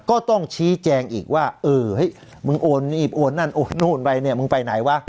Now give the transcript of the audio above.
ก็ต้องชี้แจงอีกว่าเออเฮ้ยมึงโอนรีบโอนนั่นโอนนู่นไปเนี่ยมึงไปไหนวะ